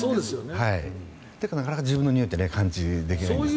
だからなかなか自分のにおいって感知できないんですね。